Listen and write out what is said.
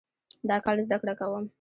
دا کال زده کړه کوم